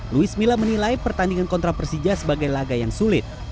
luis mila menilai pertandingan kontra persija sebagai laga yang sulit